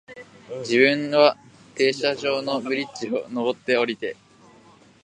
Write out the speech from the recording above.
自分は停車場のブリッジを、上って、降りて、